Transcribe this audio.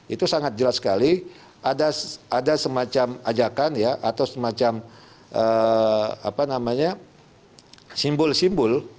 itu sangat jelas sekali ada semacam ajakan atau semacam simbol simbol